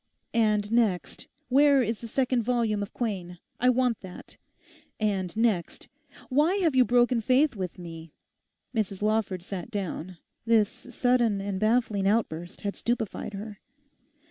And next—where is the second volume of Quain? I want that. And next—why have you broken faith with me?' Mrs Lawford sat down. This sudden and baffling outburst had stupefied her.